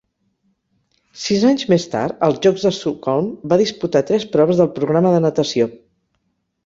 Sis anys més tard, als Jocs d'Estocolm va disputar tres proves del programa de natació.